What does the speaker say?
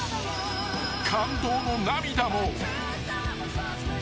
［感動の涙も］